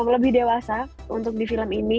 lebih dewasa untuk di film ini